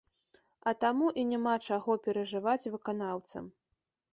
А таму і няма чаго перажываць выканаўцам.